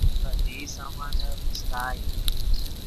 ڤے خدیئی سامانف اوستائے